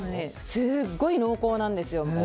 すごい濃厚なんですよ。